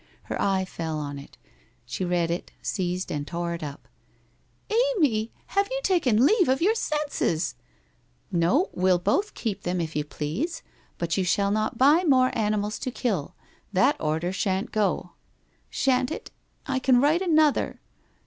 Her eye fell on it. She read it, seized and tore it up. ' Amy ! Have you taken leave of your senses !'' Xo, we'll both keep them, if you please. But you shall not buy more animals to kill. That order shan't go.' 1 Shan't it? I can write another.'